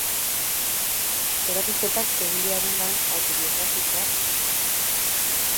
Erakusketak egilearen lan autobiografikoak ditu.